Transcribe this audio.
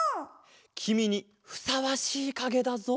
きみにふさわしいかげだぞ。